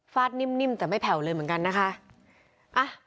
นิ่มแต่ไม่แผ่วเลยเหมือนกันนะคะ